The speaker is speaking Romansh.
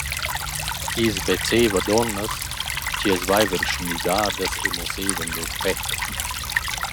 I’s vezzaiva duonnas chi as vaivan schnüdadas e muossaivan lur pet.